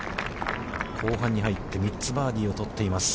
後半に入って、３つバーディーを取っています。